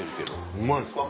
うまいです。